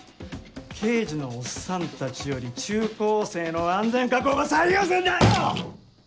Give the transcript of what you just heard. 刑事のおっさんたちより中高生の安全確保が最優先だよ‼